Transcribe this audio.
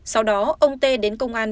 sau đó ông tê đến công an